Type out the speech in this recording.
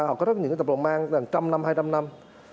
họ có rất nhiều tập đoàn mang một trăm linh năm hai trăm linh năm